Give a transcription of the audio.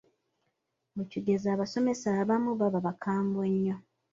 Mu kigezo abasomesa abamu baba bakambwe nnyo.